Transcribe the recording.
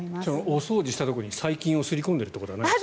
お掃除したところに細菌をすり込んでいることはないですか。